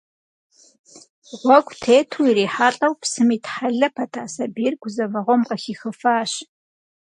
Гъуэгу тету ирихьэлӏэу псым итхьэлэ пэта сабийр гузэвэгъуэм къыхихыфащ.